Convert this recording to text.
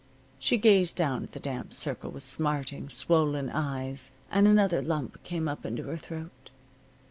She gazed down at the damp circle with smarting, swollen eyes, and another lump came up into her throat.